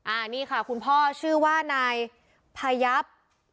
อันนี้ค่ะคุณพ่อชื่อว่านายพายับ